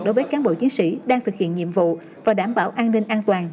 đối với cán bộ chiến sĩ đang thực hiện nhiệm vụ và đảm bảo an ninh an toàn